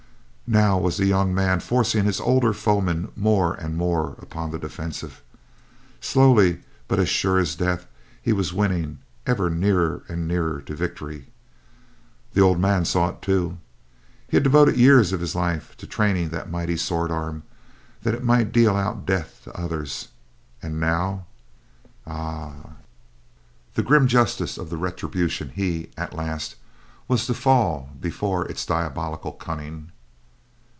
Now was the young man forcing his older foeman more and more upon the defensive. Slowly, but as sure as death, he was winning ever nearer and nearer to victory. The old man saw it too. He had devoted years of his life to training that mighty sword arm that it might deal out death to others, and now—ah! The grim justice of the retribution—he, at last, was to fall before its diabolical cunning.